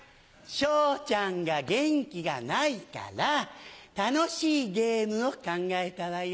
昇ちゃんが元気がないから楽しいゲームを考えたわよ。